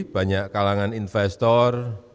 banyak kalangan investor